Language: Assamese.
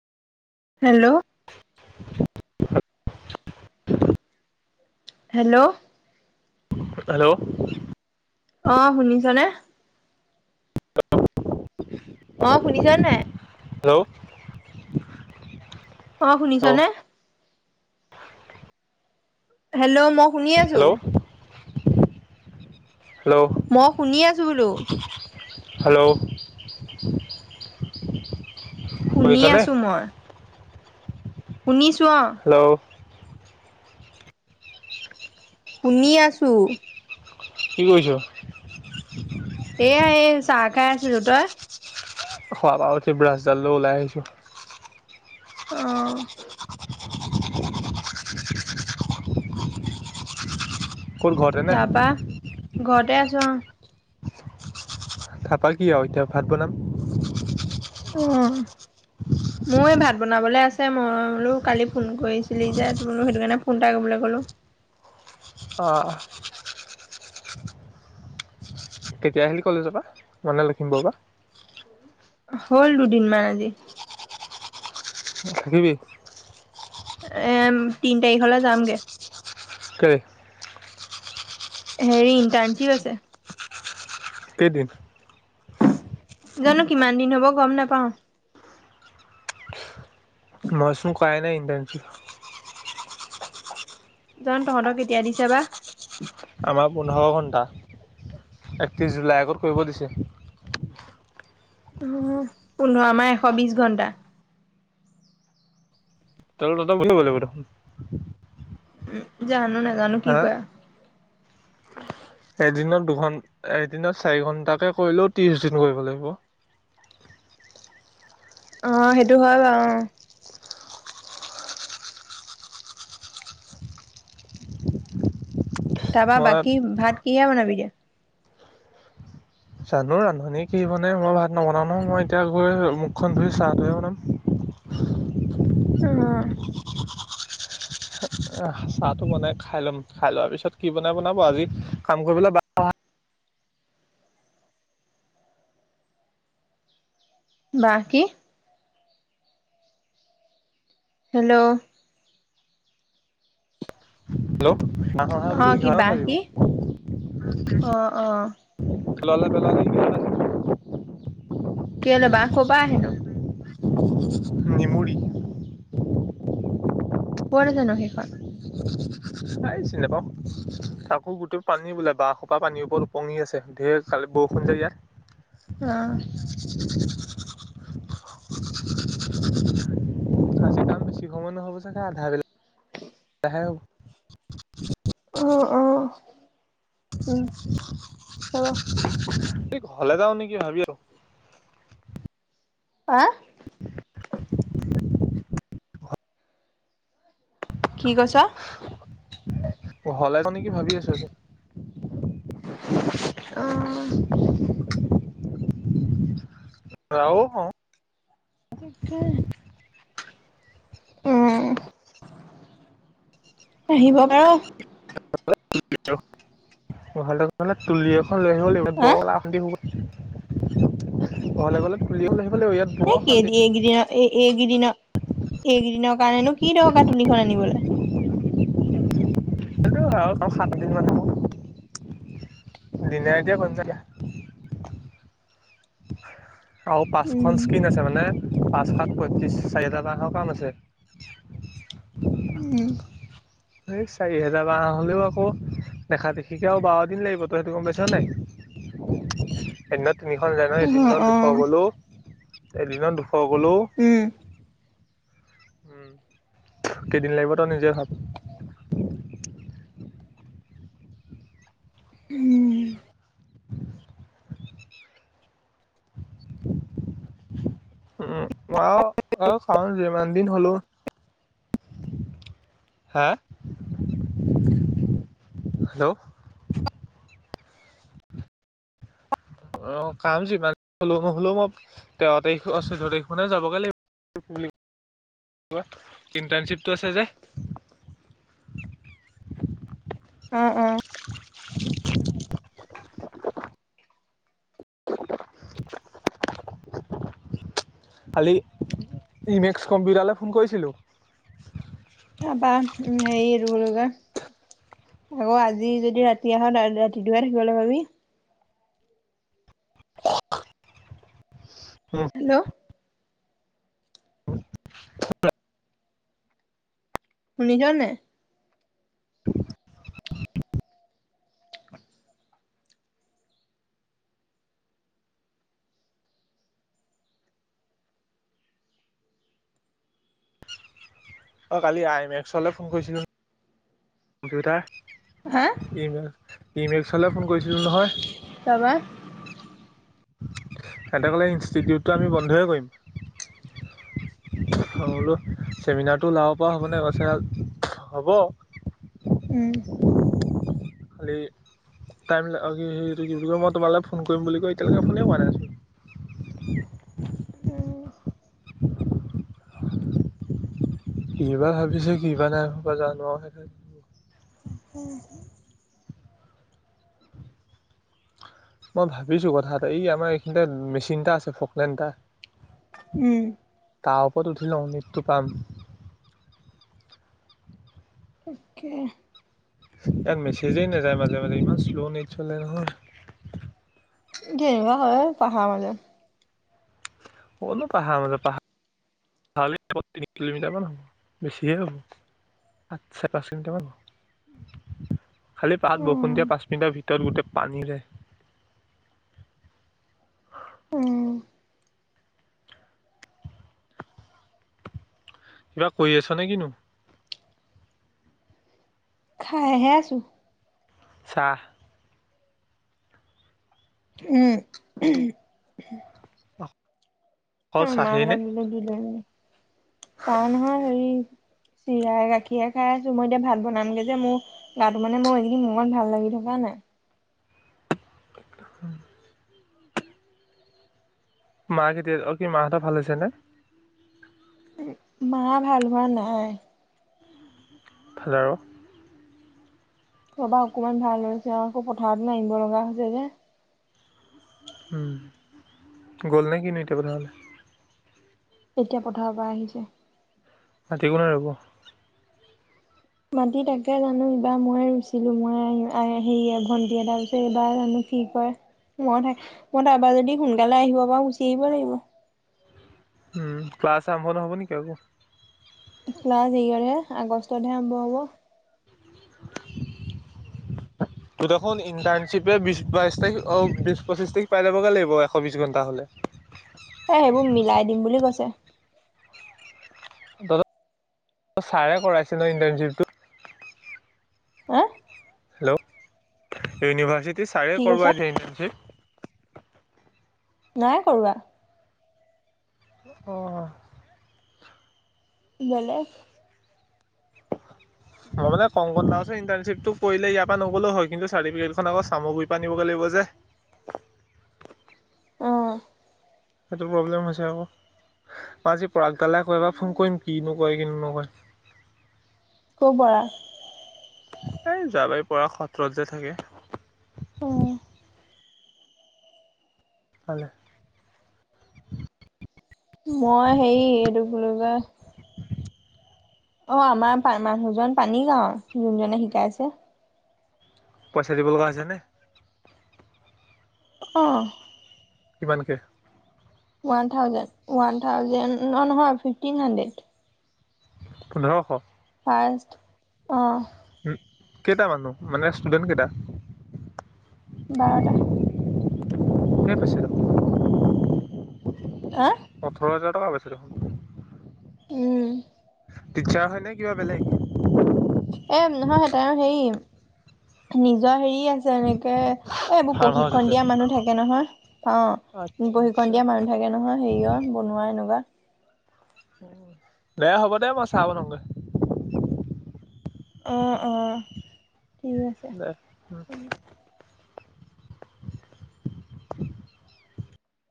হেল্ল'। [inaudible] হেল্ল'! হেল্ল', অ, শুনিছ নে? উ অ শুনিছ নে নাই? হেল্ল', অ শুনিছ হেল্ল' নে? হেল্ল' মই শুনি আছো। Hello hello. মই শুনি আছো বোলো হেল্ল'। শুনি শুনিছনে আছো মই। শুনিছোঁ অ। হেল্ল'। শুনি আছোঁ। কি কৰিছ? এয়া এই চাহ খাই আছিলোঁ। তই? খোৱা বাৰু, ব্ৰাছডাল লৈ ওলাই আহিছোঁ। অ। ক'ত ঘৰতে নে? তাৰপৰা, ঘৰতে আছোঁ, অ। তাৰপৰা কি আৰু এতিয়া ভাত বনাম। উম। [inaudible] মইয়ো ভাত বনাবলৈ আছে, মই বোলো কালি ফোন কৰিছিলি যে তো বোলো সেইটো কাৰণে ফোন এটা কৰিবলৈ ক'লোঁ। অ। কেতিয়া আহিলি কলেজৰ পৰা, মানে লক্ষ্মীমপুৰৰ পৰা? হ'ল দুদিন মান‌ আজি। থাকিবি? এ তিন তাৰিখলৈ যামগে। কেলে? হেৰি, ইণ্টাৰ্ণশ্বিপ আছে। কেইদিন? জানো কিমান দিন হ'ব গম নাপাও। মই চোন কৰাই নাই ইণ্টাৰ্ণশ্বিপ জান তহঁতক কেতিয়া দিছে বা? আমাৰ পোন্ধৰ ঘণ্টা, একত্ৰিশ জুলাই আগত কৰিব দিছে। [inaudible] অ, পোন্ধৰ আমাৰ এশ বিশ ঘন্টা। [unintelligible] উম, জানো, নাজানো কি হা কৰে? এদিনত দুঘন, এদিনত চাৰি ঘণ্টা কৰিলেও ত্ৰিশ দিন কৰিব লাগিব। অ, সেইটো হয় বাৰু অ। তাৰপৰা মই বাকী, ভাত কিহে বনাবিগে এতিয়া? জানো ৰান্ধনীয়ে কি বনাই। মই ভাত নবনাও নহয়। মই এতিয়া গৈ মুখখন ধুই চাহটোহে বনাম। অ। আহ, চাহটো বনাই খাই লম। খাই লোৱাৰ পিছত কি বনাই বনাব। আজি কাম কৰিবলৈ বা বা কি হেল্ল'। হেল্ল' নাহ অ কি অই বাহ কি বোলো, এঘাৰমান অ বাজিব। অ। কেলে বাহ ক'ৰ পৰা আহেনো [unintelligible] [inaudible] নেমুৰী ক'ত আছে নো সেই খন? এই চিনি নাপাওঁ। তাকো গোটেই পানী বোলে বাঁহ সোপা পানীৰ ওপৰত উপঙি আছে ধেইৰ কালি বৰষুণ যে ইয়াত। [inaudible] অ আজি কাম সময় হ'ব চাগে আধা বলা বেলা হে হ'ব। অ', অ',। উম হ'ব এই ঘলে যাওঁ নেকি ভাবি আছো। হা? হয় কি কৈছ? ঘৰলে যাওঁ নেকি কি ভাবি আছোঁ আজি অ',। [unintelligible] কি কা? উম', আহিব বাৰ। মানে তুলি এখন লৈ আহিব লাগিব, হা বৰ অশান্তি হ'ব। ঘৰলে গ'লে তোলি এখন লৈ আহিব লাগিব, ইয়াত বৰ এই অশান্তি কেইদিন- এই কেইদিনৰ- এই- এইকেইদনৰ- এইকেইদিনৰ কাৰণেনো কি দৰকাৰ তুলিখন আনিবলৈ। সেইটোও হয়, আৰু সাতদিন মান হে হ'ব, দিনে ৰাতিয়ে কৰিম তেতিয়া। আৰু পাঁচখন উম স্কিন আছে, মানে পাঁচ শাত পয়ত্ৰিশ চাৰি হাজাৰ টকা কাম আছে। উম',। হেই চাৰি হোজাৰ বাহ হ'লেও আকৌ দেখা দেখিকে আৰু বাৰ দিন লাগিব, তই সেইটো গম পাইছ নাই? এদিনত তিনিখন যায় ন'? অ এদিনত অ দুশ গ'লোঁ, এদিনত দুশ গ'লোঁ উম',। উম', কেইদিন লাগিব তই নিজে ভাব। উম মই আহ, যিমান দিন হলেওঁ হা', হেল্ল'। অ', কাম যিমান হলেওঁ নহলেওঁ মই তেৰ তাৰিখ, চৈধ্য তাৰিখ মানে যাবগৈ লাগিব। ইণ্টাৰ্ণশ্বিপটো আছে যে। উম', উম',। [inaudible] কালি ইমেক্স কম্পিউটাৰলৈ ফোন কৰিছিলোঁ। তাপা হেৰি এইটো কি বুলি কয়? আকৌ আজি যদি ৰাতি আহ, কাইলৈ ৰাতিটোহে থাকিবলৈ পাবি। [inaudible] হেল্ল'। [unintelligible] শুনিচন নাই? অঁ', কালি আই এম এক্সলৈ ফোন কৰিছিলোঁ নহয় কম্পিউটাৰ। হা? ইমে ইমেক্সলৈ ফোন কৰিছিলোঁ নহয়। তাপা? সিহঁতে কলে ইনষ্টিটিউটটো আমি বন্ধয়ে কৰিম। [unintelligible] মই বোলো চেমিনাৰটো ওলাব পৰা হ'বনে কৈছে হ'ব। উম, খালি টাইম অ' কি এইটো কি বুলি কয় মই তোমালৈ ফোন কৰিম বুলি কৈ এতিয়ালৈকে ফোনে কৰা নাই চোন। ই বা ভাবিছে [unintelligible] নাই ভবা জান। উম, মই ভাবিছো কথা এটা, এই আমাৰ এইখিনিতে মেচিন এটা আছে ফকলেন এটা। উম, তাৰ ওপৰত উঠি লও, নেটটো পাম। তাকেহে। ইয়াত মেচেজ এ নাযায় মাজে, মাজে, ইমান শ্ল' নেট চলে নহয়। তেনেকুৱা হয়ে পাহাৰৰ মাজত। কতনো পাহাৰৰ মাজত, [unintelligible] পাহাৰলে তিনি কিলোমিটাৰমান হ'ব, বেছিহে হ'ব। চাৰে পাঁচ কিলোমিটাৰ মান হ'ব। খালি পাহাৰত বৰষুণ দিয়া উম পাঁচ মিনিটৰ ভিতৰত গোটেই পানী যায়। উম কিবা কৰি আছনে কিনো? খাইহে আছো। চাহ? উম, উমহ, অকল চাহেই নে মাহঁতক দিলে দিলো মে চাহ নহয় হেৰি চিৰাই গাখীৰে খাই আছো, মই এতিয়া ভাত বনামগে যে মোৰ গাটো মানে মোৰ এখিনি মনত ভাল লাগি থকা নাই। [inaudible] মা কেতিয়া অ' কি মাহঁত ভাল হৈছে নে? মা ভাল হোৱা নাই? ফাদাৰৰ? খবা অকমান ভাল হৈছে আৰু আকৌ পথাৰত মাৰিব লগা হৈছে যে। উম, গ'ল নে কিনো এতিয়াব তেহ'লে? এতিয়া পথাৰৰ পৰা আহিছে। মাটি কোনে ৰুব? মাটতি তাকে জানো এইবাৰ মই ৰুইছিলো মই হেৰি ভণ্টি এটাৰ পিছত এইবাৰ জানো কি ক মই তাৰবাৰ যদি সোনকালে আহিব পাৰো গুচি আহিব লাগিব। উম, ক্লাছ আৰম্ভ নহ'ব নেকি আকৌ? ক্লাছ ইয়ৰহে আগষ্টতহে আৰম্ভ হ'ব। [inaudible] ত' দেখোন ইণ্টাৰ্নশ্বিপে বিশ বাইশ তাৰিখ অ বিশ পঁচিশ তাৰিখ পাই লাবগে লাগিব এশ বিশ ঘণ্টা হ'লে। এ সেইবোৰ মিলাই দিম বুলি কৈছে। তহঁতৰ ছাৰে কৰাইছিল ন ইণ্টাৰণশ্বিপ টো? হা হেল্ল' ইউনিভাৰ্চিটি ছাৰে কি কৰব কৈছ এতিয়া ইণ্টানচিপ? নাই কৰোৱা। অ', বেলেগ মই মানে কং কাৰিপ টো কৰিলে ইয়াৰ পৰা নগ'লেও হয় কিন্তু চাৰ্টিফিকেটখন আক চামগুৰি প নিব লাগিব যে। অ', সেইটো প্ৰব্লেম হৈছে আৰুকৌ মই আজি পৰাগডালে কৌবাৰ ফোন কৰিম কিনোকয় কিনো নকয়? কৰ' পৰা এই যোৱাবাৰি পৰা সত্ৰত যে থাকে উম, তালে মই হেৰি এইটো কি বুলি কয় অ আমাৰ পা মানুহজন পানী গাঁওৰ যোনজনে শিকাইছে পইচা দিব লগা হৈছে নে অ কিমানকে ওৱান থাউজেণ্ড ওৱান থাউজেণ্ড ন নহয় ফিফটিন হাড্ৰেড পোন্ধৰশ ফাৰ্ষ্ট অ উম কেইটা মানুহ মানে ষ্টুডেণ্ট কেইটা বাৰটা কোনে কৈছে অ ওঠৰ হাজাৰ টকা পাইছ দেখোন উম টিচাৰ হয় নে কিবা বেলেগ অ নহয় তাৰ হেৰি নিজৰ হেৰি আছে যেনেকে এ এইবোৰ ফাৰ্ম হাউচ প্ৰশিক্ষন আছে। দিয়া মানুহ থাকে নহয়। আচ্ছা অ প্ৰক্ষিশণ আচ্ছা। দিয়া মানুহ থাকে নহয়, হেৰিয় বনোৱা এনেকুৱা দে হ'ব দে মই চাহ বনাওগৈ অ অ ঠিক আছে উম